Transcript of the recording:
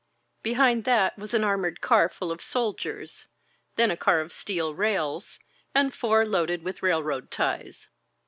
Behind that was an armored car full of soldiers, then a car of steel rails, and four loaded with railroad ties.